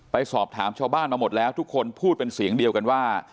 ไปสอบถามชาวบ้านมาหมดแล้วทุกคนพูดเป็นเสียงเดียวกันว่า